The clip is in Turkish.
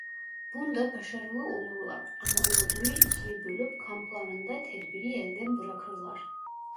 Bunda başarılı olurlar ama orduyu ikiye bölüp kamplarında tedbiri elden bırakırlar.